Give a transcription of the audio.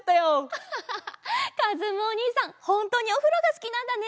アハハハかずむおにいさんほんとにおふろがすきなんだね！